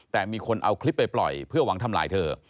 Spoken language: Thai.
แต่มีคนเอาคลิปไปปล่อยเพื่อหวังทำลายเธอ